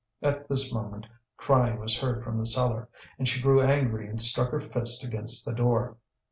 At this moment crying was heard from the cellar, and she grew angry and struck her fist against the door.